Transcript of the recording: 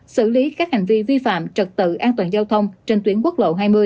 xử lý các hành vi vi phạm trật tự an toàn giao thông trên tuyến quốc lộ hai mươi